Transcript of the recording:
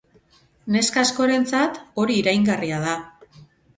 Neska askorentzat hori iraingarria da.